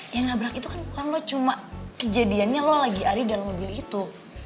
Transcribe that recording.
yang nabrak itu kan bukan lo cuma kejadiannya lo lagi ari dalam mobil itu